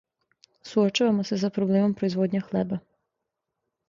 Суочавамо се са проблемом производње хлеба.